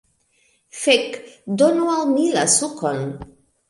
Fek' donu al mi la sukon